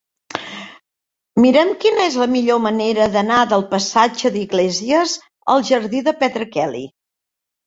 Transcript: Mira'm quina és la millor manera d'anar del passatge d'Iglésias al jardí de Petra Kelly.